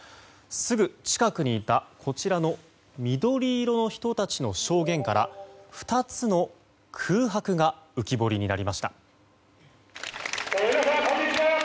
すぐ近くにいたこちらの緑色の人たちの証言から２つの空白が浮き彫りになりました。